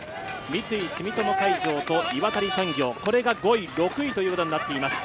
三井住友海上と岩谷産業、これが５位、６位になっています。